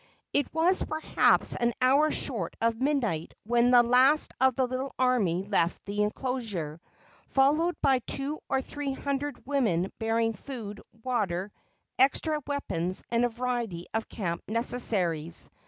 It was, perhaps, an hour short of midnight when the last of the little army left the enclosure, followed by two or three hundred women bearing food, water, extra weapons and a variety of camp necessaries.